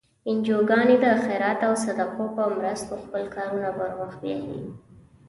انجوګانې د خیرات او صدقو په مرستو خپل کارونه پر مخ بیایي.